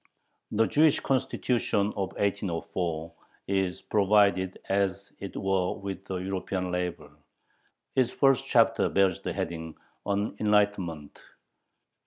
The "Jewish Constitution" of 1804 is provided as it were with a European label. Its first chapter bears the heading "On Enlightenment."